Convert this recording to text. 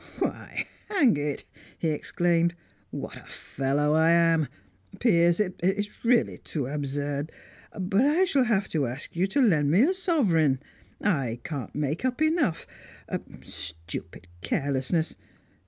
"Why, hang it!" he exclaimed. "What a fellow I am! Piers, it's really too absurd, but I shall have to ask you to lend me a sovereign; I can't make up enough stupid carelessness!